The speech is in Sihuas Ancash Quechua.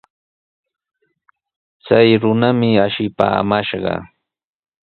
Chay runami ashipaamashqa.